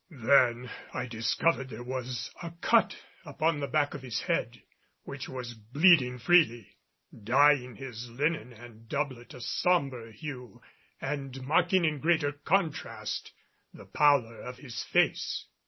Then I discovered there was a cut upon the back of his head, which was bleeding freely, dyeing his linen and doublet a sombre hue and marking in greater contrast the pallor of his face.